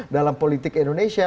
dalam politik indonesia